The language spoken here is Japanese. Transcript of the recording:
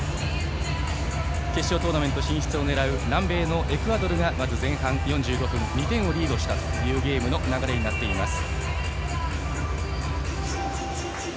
決勝トーナメント進出を狙う南米のエクアドルがまず前半４５分２点をリードしたというゲームの流れになっています。